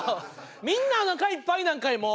みんなおなかいっぱいなんかいもう。